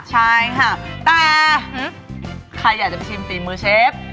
ใช่ค่ะแต่ใครอยากจะไปชิมฝีมือเชฟ